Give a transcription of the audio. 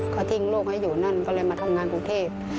เขาทิ้งลูกให้อยู่นั่นก็เลยมาทำงานกรุงเทพ